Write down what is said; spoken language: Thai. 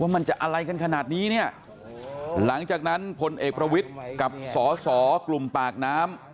มันจะอะไรกันขนาดนี้เนี่ยหลังจากนั้นพลเอกประวิทย์กับสอสอกลุ่มปากน้ำ